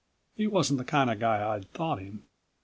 He wasn't the kind of guy I'd thought him.